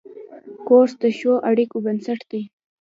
کورس د ښو اړیکو بنسټ دی.